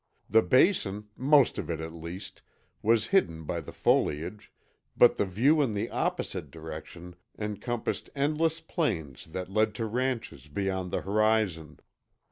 The Basin, most of it at least, was hidden by the foliage, but the view in the opposite direction encompassed endless plains that led to ranches beyond the horizon.